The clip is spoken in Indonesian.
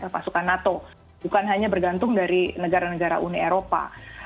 pasukan nato bukan hanya bergantung dari negara negara uni eropa